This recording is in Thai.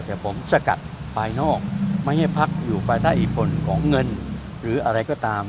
แต่ผมสกัดไปนอกไม่ให้พักอยู่กว่าถ้าอีกคนของเงินหรืออะไรก็ตาม